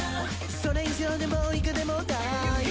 それ以上でも以下でもない